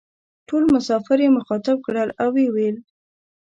ټول مسافر یې مخاطب کړل او وې ویل: